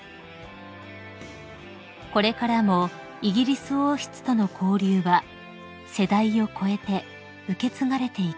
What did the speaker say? ［これからもイギリス王室との交流は世代を超えて受け継がれていきます］